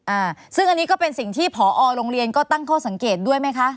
อ่าซึ่งอันนี้ก็เป็นสิ่งที่ผอโรงเรียนก็ตั้งข้อสังเกตด้วยไหมคะ